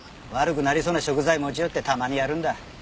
悪くなりそうな食材持ち寄ってたまにやるんだ。